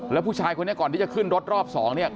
แล้วผู้ชายคนนี้ก่อนที่จะขึ้นรถรอบสองเนี่ย